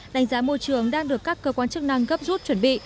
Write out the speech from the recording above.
đánh giá môi trường đang được các cơ quan chức năng gấp rút chuẩn bị